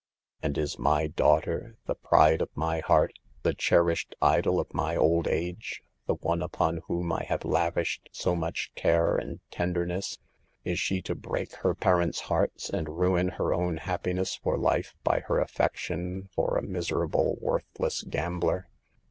And is my daughter, the pride of my heart, the cherished idol of my old age, the one upon whom I have lavished so much care and ten derness, is she to break her parents' hearts and ruin her own happiness for life by her affection for a miserable, worthless gambler